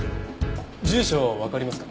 住所わかりますか？